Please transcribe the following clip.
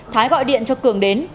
thái gọi điện cho cường đến